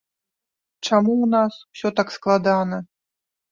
Чаму ў нас усё так складана?